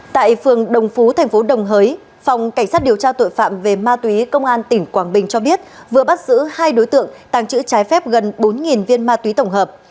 tại phường đồng phú thành phố đồng hới phòng cảnh sát điều tra tội phạm về ma túy công an tỉnh quảng bình cho biết vừa bắt giữ hai đối tượng tàng trữ trái phép gần bốn viên ma túy tổng hợp